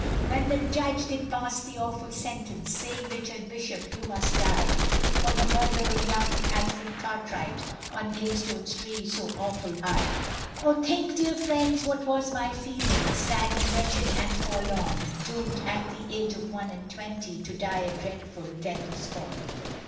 When the Judge did pass the awful sentence Saying, Richard Bishop, you must die, For the murder of young Alfred Cartwright, On Maidstone's tree so awful high; Oh think, dear friends, what was my feelings, Sad and wretched and forlorn, Doomed at the age of one and twenty, To die a dreadful death of scorn.